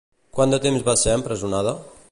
Quant de temps va ser empresonada?